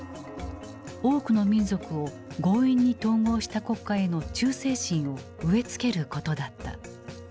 多くの民族を強引に統合した国家への忠誠心を植え付けることだった。